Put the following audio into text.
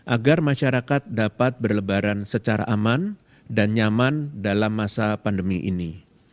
agar masyarakat dapat berlebaran secara aman dan nyaman dalam masa pandemi ini